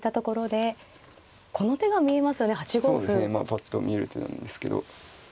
ぱっと見える手なんですけど。